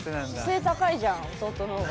背高いじゃん弟の方が。